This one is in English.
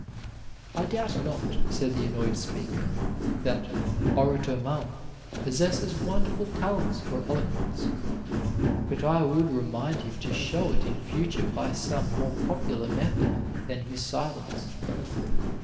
"I doubt not," said the annoyed speaker, "that 'Orator Mum' possesses wonderful talents for eloquence, but I would recommend him to show it in future by some more popular method than his silence."